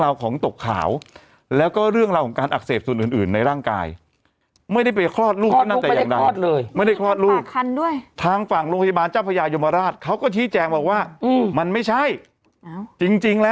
เหล่าของตกข่าวแล้วก็เรื่องแล้วกันอักเสบสุดอื่นในร่างกายไม่ได้ไปครอบรูปปลอดเลยไม่ได้ครอบรูปให้ด้วยทางฝั่งโรงพยาบาลเจ้าพยายมราชเขาก็ชี้แจงว่าว่ามันไม่ใช่จริง